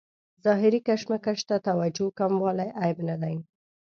ظاهري کشمکش ته توجه کموالی عیب نه دی.